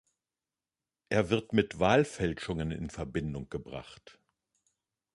Er wird mit Wahlfälschungen in Verbindung gebracht.